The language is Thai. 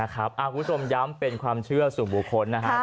คุณผู้ชมย้ำเป็นความเชื่อสู่บุคคลนะครับ